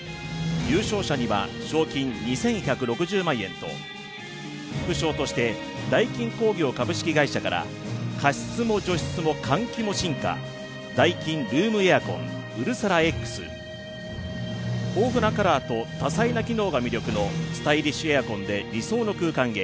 優勝者には、賞金２１６０万円と副賞としてダイキン工業株式会社から加湿も、除湿も、換気も進化ダイキンルームエアコンうるさらＸ豊富なカラーと多彩な機能が魅力のスタイリッシュエアコンで理想の空間へ。